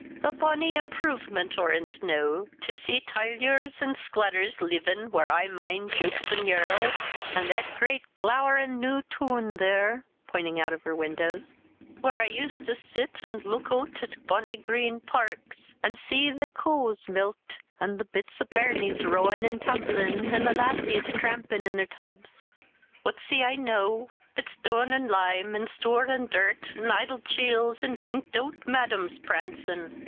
A bony impruvement or ens no, to see tyleyors and sclaters leavin whar I mind jewks an yerls. An' that great glowrin' new toon there" pointing out of her windows "whar I used to sit an' luck oot at bonny green parks, and see the coos milket, and the bits o' bairnies rowin' an' tummlin,' an' the lasses trampin i' their tubs what see I noo, but stane an' lime, an' stoor' an' dirt, an' idle cheels, an' dinket oot madams prancin'.